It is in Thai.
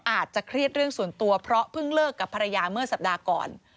อาจจะเครียดเรื่องส่วนตัวเพราะเพิ่งเลิกกับภรรยาเมื่อสัปดาห์ก่อน